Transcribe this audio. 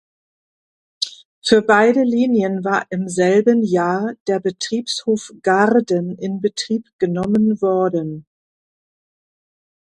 Für beide Linien war im selben Jahr der Betriebshof Gaarden in Betrieb genommen worden.